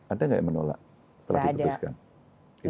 ada gak yang menolak setelah di putuskan